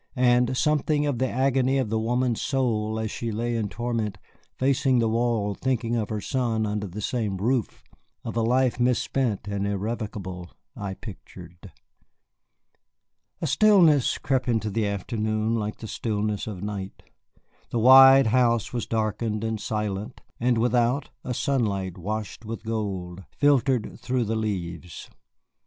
And something of the agony of the woman's soul as she lay in torment, facing the wall, thinking of her son under the same roof, of a life misspent and irrevocable, I pictured. A stillness crept into the afternoon like the stillness of night. The wide house was darkened and silent, and without a sunlight washed with gold filtered through the leaves.